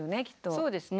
そうですね。